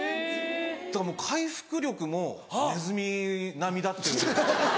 だからもう回復力もネズミ並みだっていうことが。